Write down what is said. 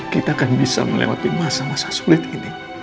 kita akan bisa melewati masa masa sulit ini